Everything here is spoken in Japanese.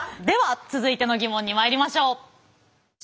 では続いてのギモンにまいりましょう。